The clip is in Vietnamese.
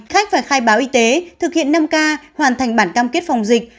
khách phải khai báo y tế thực hiện năm k hoàn thành bản cam kết phòng dịch